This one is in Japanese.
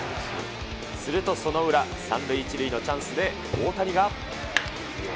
するとその裏、３塁１塁のチャンスで大谷が。